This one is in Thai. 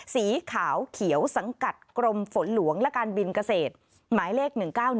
สีขาวเขียวสังกัดกรมฝนหลวงและการบินเกษตรหมายเลข๑๙๑